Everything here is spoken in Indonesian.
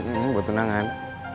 iya buat tunangan